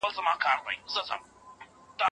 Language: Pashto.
هغه د طبیعي شربت په څښلو بوخت دی.